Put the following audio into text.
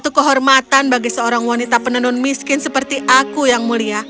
satu kehormatan bagi seorang wanita penenun miskin seperti aku yang mulia